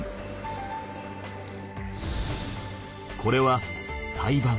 これは胎盤。